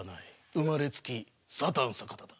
生まれつきサタン坂田だ！